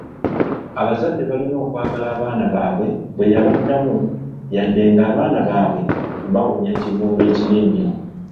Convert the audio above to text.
Abazadde balina okwagala abaana baabwe bwe yabaddamu yadde ng'abaana baabwe bawunya ekivundu ekibi ennyo.